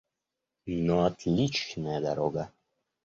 Но отличная дорога.